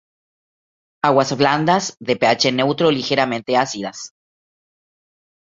Aguas blandas, de ph neutro o ligeramente ácidas.